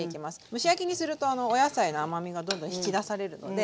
蒸し焼きにするとお野菜の甘みがどんどん引き出されるので。